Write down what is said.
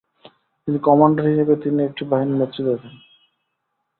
তিনি কমান্ডার হিসেবে তিনি একটি বাহিনীর নেতৃত্ব দেন।